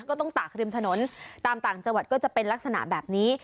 ตากริมถนนตามต่างจังหวัดก็จะเป็นลักษณะแบบนี้